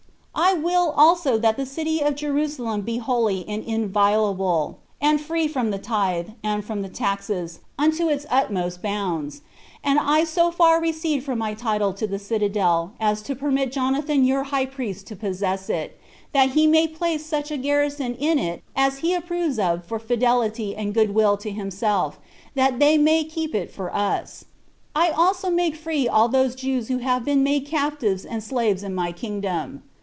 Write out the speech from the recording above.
I will also that the city of Jerusalem be holy and inviolable, and free from the tithe, and from the taxes, unto its utmost bounds. And I so far recede from my title to the citadel, as to permit Jonathan your high priest to possess it, that he may place such a garrison in it as he approves of for fidelity and good will to himself, that they may keep it for us. I also make free all those Jews who have been made captives and slaves in my kingdom.